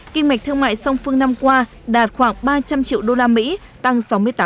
kinh mạch thương mại song phương năm qua đạt khoảng ba trăm linh triệu đô la mỹ tăng sáu mươi tám